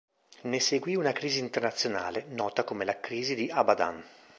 Ne seguì una crisi internazionale, nota come la Crisi di Abadan.